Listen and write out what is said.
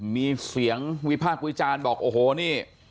มีเสียงวิพากษ์วิจารณ์บอกโอ้โหนี่